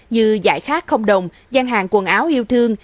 như giải khát không đồng gian hàng quần áo yêu thương